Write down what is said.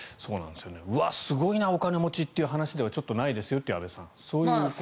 うわ、すごいなお金持ちという話ではちょっとないですよという安部さん。